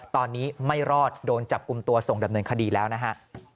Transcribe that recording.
ตอนนี้ไม่รอดโดนจับกลุ่มตัวส่งดำเนินคดีแล้วนะฮะ